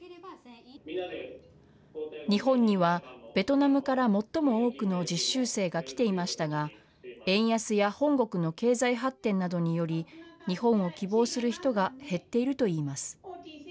日本には、ベトナムから最も多くの実習生が来ていましたが、円安や本国の経済発展などにより、日本を希望する人が減っているといいます。